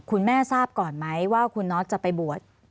คุณแม่ทราบก่อนไหมว่าคุณน็อตจะไปบวช